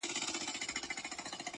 کرۍ ورځ یې په ځغستا او په مزلونو -